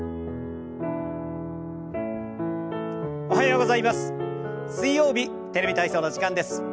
おはようございます。